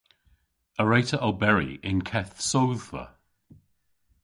A wre'ta oberi y'n keth sodhva?